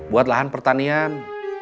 buat lahan pertanian